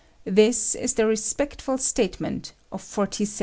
This is the respectful statement of forty seven men."